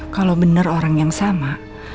kalau benar orang yang sama